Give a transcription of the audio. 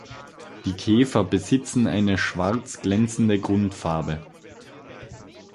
Die Käfer besitzen eine schwarz glänzende Grundfarbe.